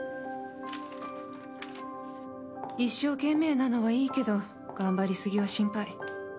一生懸命なのはいいけど頑張りすぎは心配。